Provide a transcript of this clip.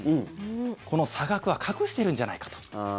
この差額は隠してるんじゃないかと。